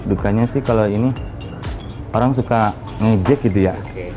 dukanya sih kalau ini orang suka ngejek gitu ya